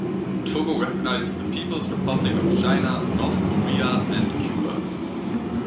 Togo recognizes the People's Republic of China, North Korea, and Cuba.